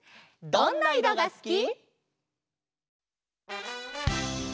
「どんないろがすき」「」